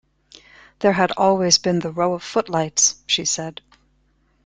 "There had always been the row of footlights," she said.